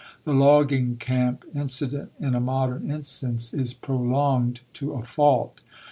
The logging camp incident in A Modern Instance is prolonged to a fault.